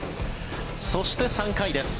そして３回です。